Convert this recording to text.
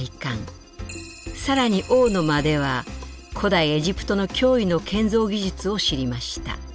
更に「王の間」では古代エジプトの驚異の建造技術を知りました。